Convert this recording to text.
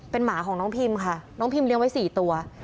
หมาของน้องพิมค่ะน้องพิมเลี้ยไว้๔ตัว